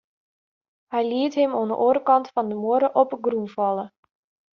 Hy liet him oan 'e oare kant fan de muorre op 'e grûn falle.